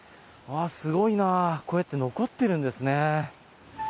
すごいな、こうやって残ってるんですね。